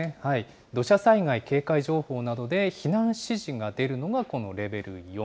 土砂災害警戒情報などで避難指示が出るのがこのレベル４。